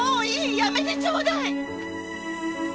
やめてちょうだい！